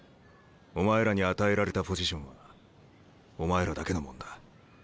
お前らに与えられたポジションはお前らだけのもんだ。